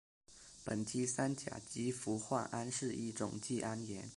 苯基三甲基氟化铵是一种季铵盐。